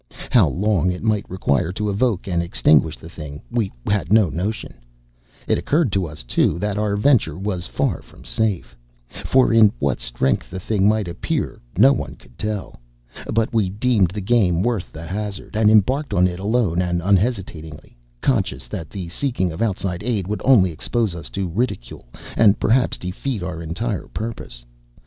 How long it might require to evoke and extinguish the thing, we had no notion. It occurred to us, too, that our venture was far from safe; for in what strength the thing might appear no one could tell. But we deemed the game worth the hazard, and embarked on it alone and unhesitatingly; conscious that the seeking of outside aid would only expose us to ridicule and perhaps defeat our entire purpose.